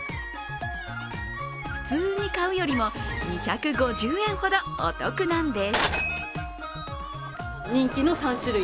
普通に買うよりも２５０円ほどお得なんです。